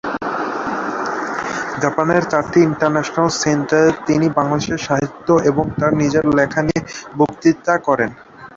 জাপানের চারটি ইন্টারন্যাশনাল সেন্টারে তিনি বাংলাদেশের সাহিত্য এবং তার নিজের লেখা নিয়ে বক্তৃতা করেন।